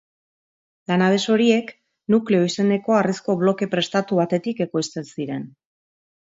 Lanabes horiek, nukleo izeneko harrizko bloke prestatu batetik ekoizten ziren.